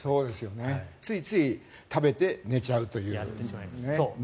ついつい食べて寝ちゃうというね。